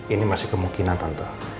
ini masih kemungkinan tante